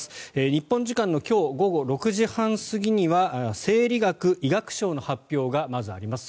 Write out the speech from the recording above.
日本時間の今日午後６時半過ぎには生理学医学賞の発表がまずあります。